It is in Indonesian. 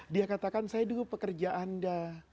dia katakan saya dulu pekerja anda